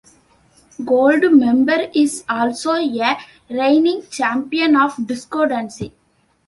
Goldmember is also a reigning champion of disco dancing.